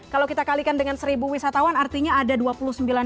kalau kita kalikan dengan satu wisatawan artinya ada rp dua puluh sembilan